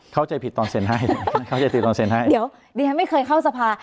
เข้าใจผิดตอนเซนให้เดี๋ยวดิฉันไม่เคยเข้าสภา